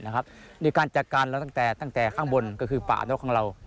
ในการจัดการให้แมวตั้งแต่ข้างบนก็คือป่าน็อตของเรา